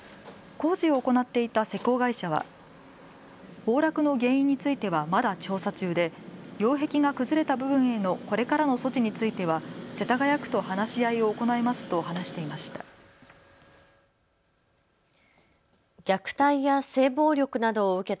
工事を行っていた施工会社は崩落の原因についてはまだ調査中で擁壁が崩れた部分へのこれからの措置については世田谷区と話し合いを行いますと話していました。